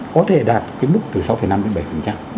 có thể đạt cái mức từ sáu năm đến bảy